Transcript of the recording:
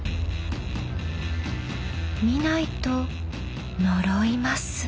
見ないと呪います。